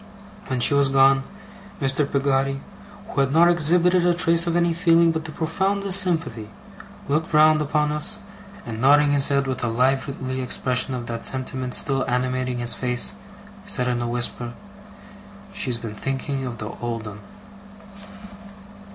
When she was gone, Mr. Peggotty, who had not exhibited a trace of any feeling but the profoundest sympathy, looked round upon us, and nodding his head with a lively expression of that sentiment still animating his face, said in a whisper: 'She's been thinking of the old 'un!